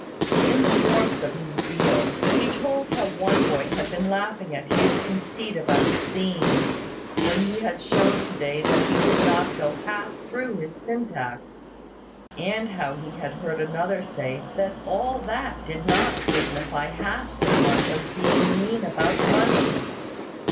In the warmth of his zeal, he told how one boy had been laughing at Hugh's conceit about his themes, when he had shown to day that he could not go half through his syntax; and how he had heard another say that all that did not signify half so much as his being mean about money.